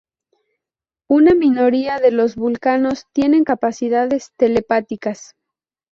Una minoría de los vulcanos tienen capacidades telepáticas.